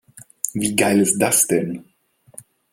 Wie geil ist das denn?